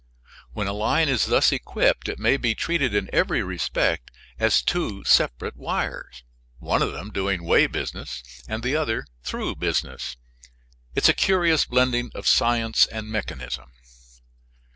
When a line is thus equipped it may be treated in every respect as two separate wires, one of them doing way business and the other through business. It is a curious blending of science and mechanism.